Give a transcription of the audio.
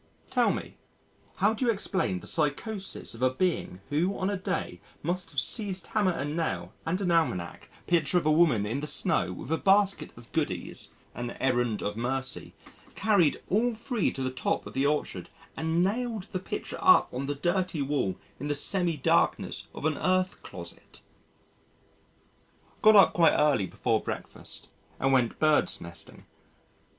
(Tell me how do you explain the psychosis of a being who on a day must have seized hammer and nail and an almanac picture of a woman in the snow with a basket of goodies "An Errand of Mercy" carried all three to the top of the orchard and nailed the picture up on the dirty wall in the semi darkness of an earth closet?) Got up quite early before breakfast and went birds' nesting....